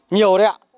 nhiều đấy ạ